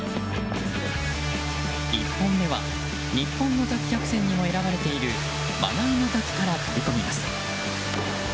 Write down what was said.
１本目は日本の滝１００選にも選ばれている真名井の滝から飛び込みます。